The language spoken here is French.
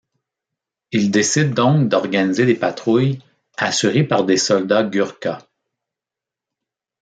Ils décident donc d'organiser des patrouilles assurées par des soldats Gurkha.